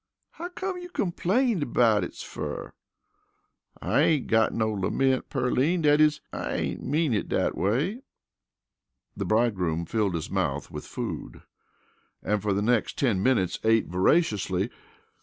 "How come you complains about it fer?" "I ain't got no lament, Pearline dat is, I ain't mean it dat way." The bridegroom filled his mouth with food and for the next ten minutes ate voraciously.